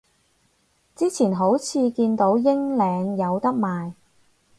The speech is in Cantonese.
之前好似見到英領有得賣